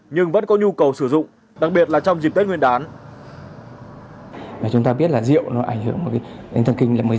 nhưng vẫn có nhu cầu sử dụng đặc biệt là trong dịp tết nguyên đán